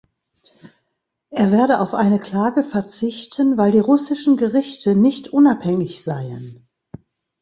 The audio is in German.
Er werde auf eine Klage verzichten, weil die russischen Gerichte nicht unabhängig seien.